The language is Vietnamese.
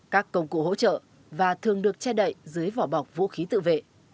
các công cụ hỗ trợ và thường được che đậy dưới vỏ bọc vũ khí tự vệ